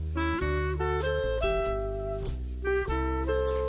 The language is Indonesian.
gila aku cabut dulu ya